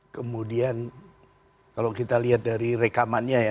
kemudian kalau kita lihat dari rekamannya ya